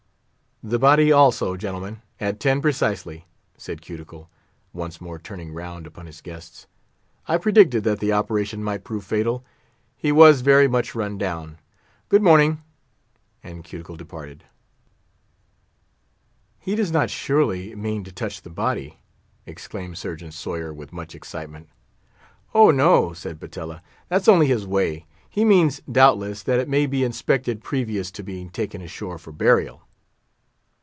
"The body also, gentlemen, at ten precisely," said Cuticle, once more turning round upon his guests. "I predicted that the operation might prove fatal; he was very much run down. Good morning;" and Cuticle departed. "He does not, surely, mean to touch the body?" exclaimed Surgeon Sawyer, with much excitement. "Oh, no!" said Patella, "that's only his way; he means, doubtless, that it may be inspected previous to being taken ashore for burial."